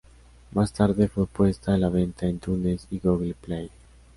Más tarde fue puesta a la venta en iTunes y Google Play.